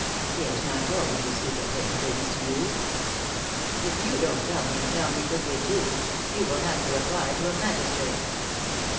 She has not told me to speak of hidden things to you." "If you don't tell me and tell me quickly too you will have to reply to a magistrate."